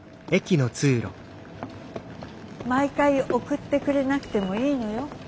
毎回送ってくれなくてもいいのよ？